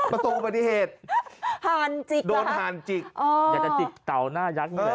ประสบอุบัติเหตุห่านจิกโดนห่านจิกอยากจะจิกเต่าหน้ายักษ์นี่แหละ